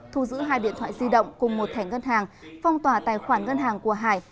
thu giữ hai điện thoại di động cùng một thẻ ngân hàng phong tỏa tài khoản ngân hàng của hải